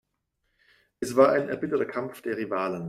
Es war ein erbitterter Kampf der Rivalen.